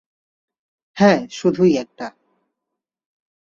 হ্যাঁ, শুধুই একটা।